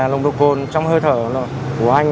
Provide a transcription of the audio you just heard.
lồng độ cồn trong hơi thở của anh